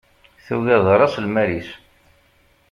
Tuga d raṣ-lmal-is.